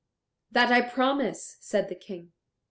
"That I promise," said the King.